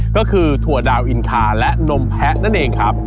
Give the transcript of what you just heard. ก็คือถั่วดาวอินทาและนมแพะนั่นเองครับ